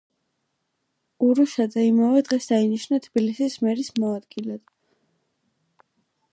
ურუშაძე იმავე დღეს დაინიშნა თბილისის მერის მოადგილედ.